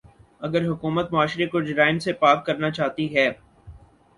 اگر حکومت معاشرے کو جرائم سے پاک کرنا چاہتی ہے۔